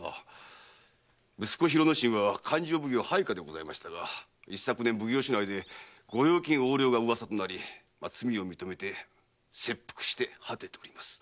息子・広之進は勘定奉行配下でございましたが一昨年奉行所内で御用金横領が噂となり罪を認めて切腹して果てております。